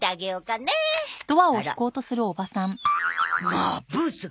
まあブーツが。